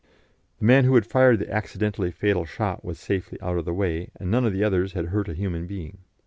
The man who had fired the accidentally fatal shot was safely out of the way, and none of the others had hurt a human being.